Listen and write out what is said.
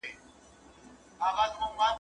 o چي دايي گاني ډيري سي، د کوچني سر کوږ راځي.